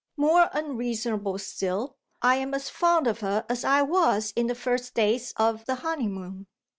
More unreasonable still, I am as fond of her as I was in the first days of the honeymoon.